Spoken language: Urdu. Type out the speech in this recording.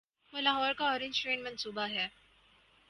وہ لاہور کا اورنج ٹرین منصوبہ ہے۔